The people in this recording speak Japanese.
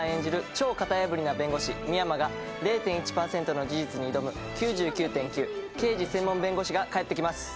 超型破りな弁護士深山が０．１％の事実に挑む「９９．９−刑事専門弁護士−」が帰ってきます